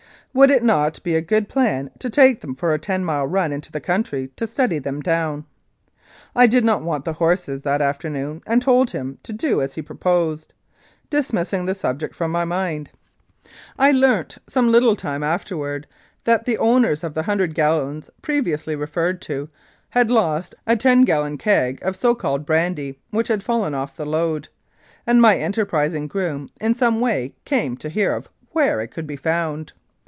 Would it not be a good plan to take them for a ten mile run into the country to steady them down. I did not want the horses that afternoon, and told him to do as he proposed, dis missing the subject from my mind. I learnt some little 302 Some Early Reminiscences time afterwards that the owners of the hundred gallons previously referred to had lost a ten gallon keg of so called brandy, which had fallen off the load, and my enterprising groom in some way came to hear of where it could be found.